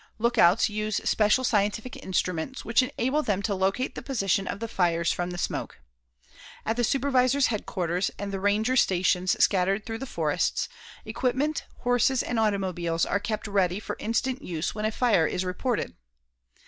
Lookouts use special scientific instruments which enable them to locate the position of the fires from the smoke. At the supervisor's headquarters and the ranger stations scattered through the forests, equipment, horses and automobiles are kept ready for instant use when a fire is reported.